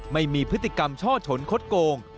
ไม่มีพฤติกรรมช่อฉนคดโกง